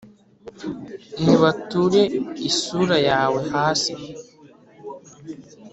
ntibature isura yawe hasi